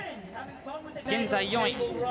現在４位。